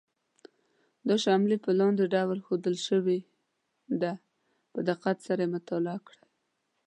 دا شمې په لاندې ډول ښودل شوې ده په دقت سره یې مطالعه کړئ.